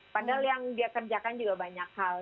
padahal yang dia kerjakan juga banyak hal